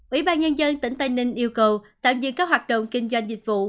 ủy ban nhân dân tỉnh tây ninh yêu cầu tạm dừng các hoạt động kinh doanh dịch vụ